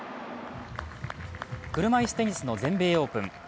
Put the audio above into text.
車いすテニスの全米オープン。